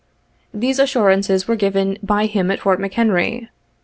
These assurances were given by him at Fort McHenry.